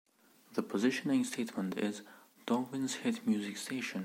The positioning statement is "Darwin's Hit Music Station".